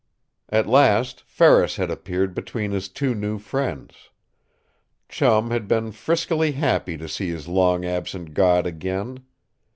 At last Ferris had appeared between his two new friends. Chum had been friskily happy to see his long absent god again.